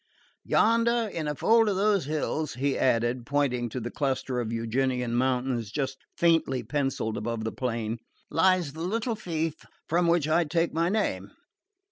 Yonder, in a fold of those hills," he added, pointing to the cluster of Euganean mountains just faintly pencilled above the plain, "lies the little fief from which I take my name.